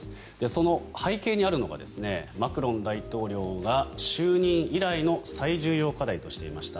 その背景にあるのがマクロン大統領が就任以来の最重要課題としていました